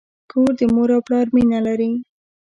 کور د مور او پلار مینه لري.